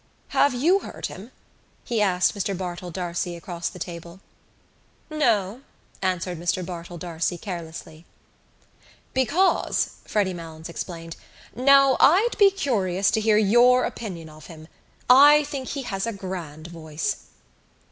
"Have you heard him?" he asked Mr Bartell D'Arcy across the table. "No," answered Mr Bartell D'Arcy carelessly. "Because," Freddy Malins explained, "now I'd be curious to hear your opinion of him. I think he has a grand voice."